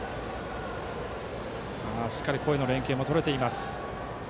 しっかり声の連係も取れています。